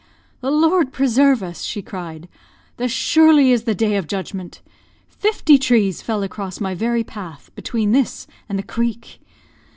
"The Lord preserve us!" she cried, "this surely is the day of judgment. Fifty trees fell across my very path, between this an' the creek. Mrs.